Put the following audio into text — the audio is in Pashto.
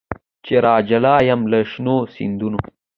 چي راجلا یم له شنو سیندونو